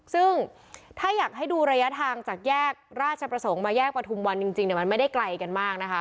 ซึ่งถ้าอยากให้ดูระยะทางจากแยกราชประสงค์มาแยกประทุมวันจริงมันไม่ได้ไกลกันมากนะคะ